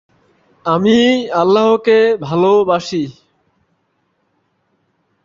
পরবর্তী বছরগুলোতে এ ধরনের অন্যান্য বিষয়ের রিপোর্টের সংখ্যা বৃদ্ধি পেতে শুরু করে।